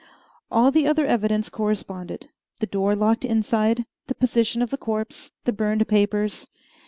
All the other evidence corresponded the door locked inside, the position of the corpse, the burned papers.